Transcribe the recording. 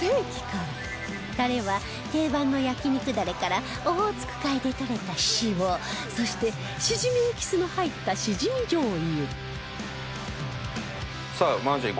タレは定番の焼肉ダレからオホーツク海でとれた塩そしてしじみエキスの入ったしじみ醤油じゃあまずは。